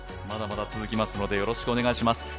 まだまだ続きますので、よろしくお願いします。